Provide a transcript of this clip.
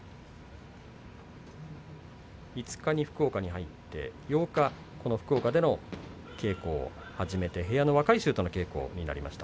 ５日に福岡に入って、８日この福岡での稽古を始めて部屋の若い衆との稽古になりました。